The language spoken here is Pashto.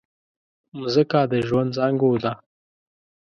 مځکه د ژوند زانګو ده.